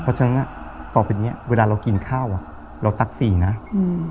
เพราะฉะนั้นอ่ะต่อไปเนี้ยเวลาเรากินข้าวอ่ะเราตักสีนะอืม